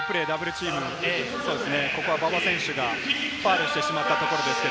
ここは馬場選手がファウルしてしまったところです。